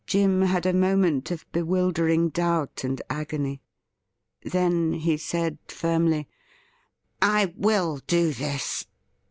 Jim had a moment of bewildering doubt and agony. Then he said firmly :' I will do this.